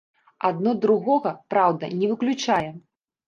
Адно другога, праўда, не выключае.